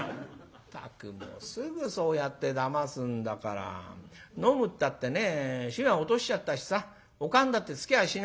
「ったくもうすぐそうやってだますんだから。飲むったってね火は落としちゃったしさお燗だってつけやしない」。